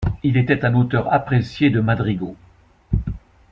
Il était un auteur apprécié de madrigaux.